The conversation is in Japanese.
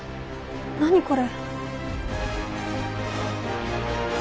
何これ？